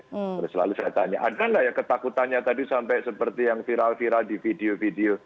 terus lalu saya tanya ada nggak ya ketakutannya tadi sampai seperti yang viral viral di video video